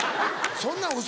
そんな。